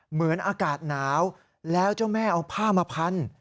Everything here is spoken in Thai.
เหมือนอากาศหนาวแล้วเจ้าแม่เอาผ้ามาพัน